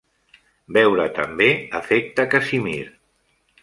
Veure també "Efecte Casimir".